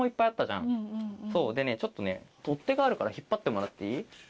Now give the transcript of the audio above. そうでねちょっとね取っ手があるから引っ張ってもらっていい？